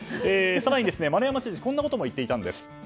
更に、丸山知事はこんなことも言っていたんです。